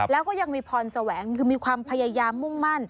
แล้วก็ยังมีพรแสวงคือมีความพยายามมุ่งมั่น